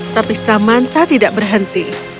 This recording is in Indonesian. tapi samantha tidak berhenti